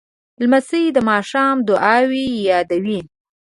لمسی د ماښام دعاوې یادوي.